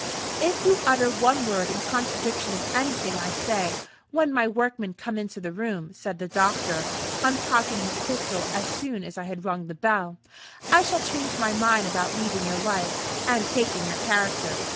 "If you utter one word in contradiction of anything I say when my workmen come into the room," said the doctor, uncocking his pistol as soon as I had rung the bell, "I shall change my mind about leaving your life and taking your character.